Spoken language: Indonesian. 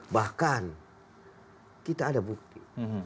bahkan kita ada bukti